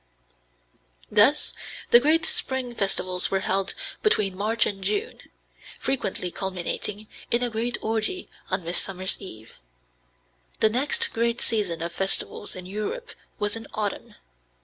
Thus the great spring festivals were held between March and June, frequently culminating in a great orgy on Midsummer's Eve. The next great season of festivals in Europe was in autumn.